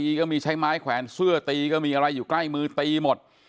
ก็มีใช้ไม้แขวนเสื้อตีก็มีอะไรอยู่ใกล้มือตีหมด